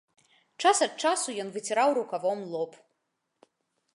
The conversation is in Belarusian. Час ад часу ён выціраў рукавом лоб.